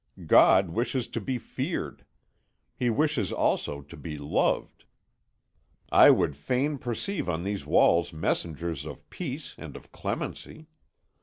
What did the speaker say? God wishes to be feared; He wishes also to be loved. I would fain perceive on these walls messengers of peace and of clemency.